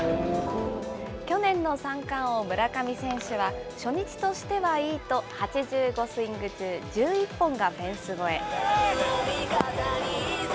去年の三冠王、村上選手は、初日としてはいいと８５スイング中１１本がフェンス越え。